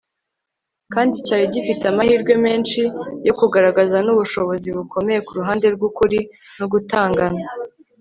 kandi cyari gifite amahirwe menshi yo kugaragaza ubushobozi bukomeye ku ruhande rw'ukuri no gutungana